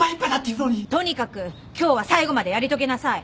とにかく今日は最後までやり遂げなさい。